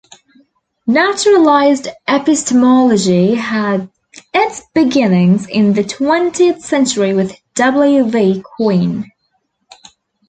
Naturalized epistemology had its beginnings in the twentieth century with W. V. Quine.